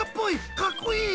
かっこいい！